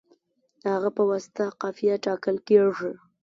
د هغه په واسطه قافیه ټاکل کیږي.